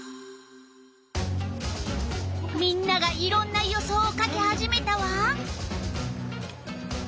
みんながいろんな予想を書き始めたわ。